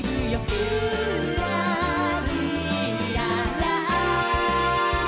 「ぴゅらりらら」